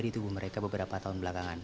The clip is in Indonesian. di tubuh mereka beberapa tahun belakangan